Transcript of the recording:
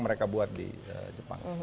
mereka buat di jepang